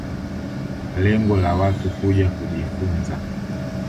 kwa lengo la Watu kuja kujifunza